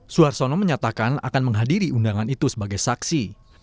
suarsono menyatakan akan menghadiri undangan itu sebagai saksi